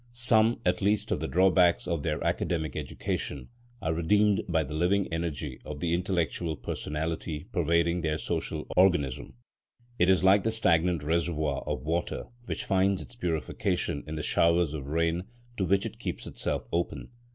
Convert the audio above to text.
Some at least of the drawbacks of their academic education are redeemed by the living energy of the intellectual personality pervading their social organism. It is like the stagnant reservoir of water which finds its purification in the showers of rain to which it keeps itself open.